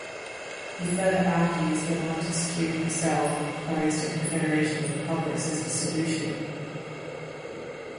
He further argues that Montesquieu himself proposed a confederation of republics as the solution.